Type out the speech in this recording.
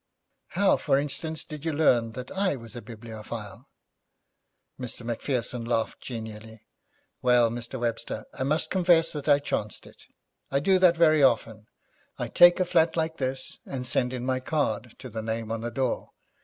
'How, for instance, did you learn that I was a bibliophile?' Mr. Macpherson laughed genially. 'Well, Mr. Webster, I must confess that I chanced it. I do that very often. I take a flat like this, and send in my card to the name on the door.